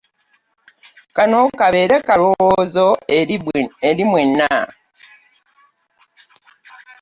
Kano kabeere kalowoozo eri mwenna.